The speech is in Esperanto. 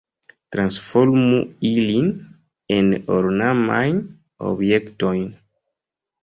Transformu ilin en ornamajn objektojn!